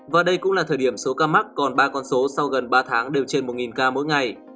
và đây cũng là thời điểm số ca mắc còn ba con số sau gần ba tháng đều trên một ca mỗi ngày